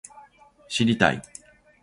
知りたい